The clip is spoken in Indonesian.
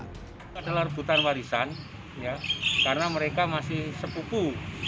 itu adalah rebutan warisan karena mereka masih sepupu